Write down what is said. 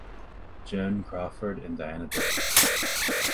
Joan Crawford and Diana Dors.